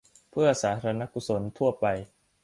เพื่อสาธารณกุศลทั่วไป